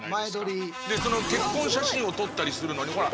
その結婚写真を撮ったりするのにほら。